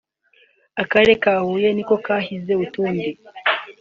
Akarere ka Huye niko kahize utundi